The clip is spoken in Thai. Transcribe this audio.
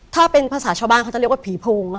ถ้าเป็นภาษาชาวบ้านเขาจะเรียกว่าผีโพง